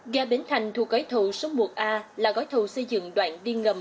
ga bến thành thuộc gói thầu số một a là gói thầu xây dựng đoạn điê ngầm